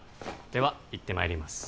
では行ってまいります